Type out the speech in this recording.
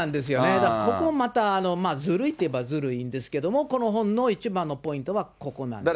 だからここもまたずるいっていえばずるいんですけれども、この本の一番のポイントはここなんですね。